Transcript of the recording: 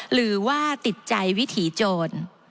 หรือว่าติดใจวิถีโจร